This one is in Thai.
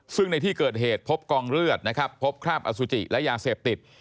ซึ่งในที่เกิดเหตุพบกองเลือดนะครับพบคราบอสุจิและยาเสพติด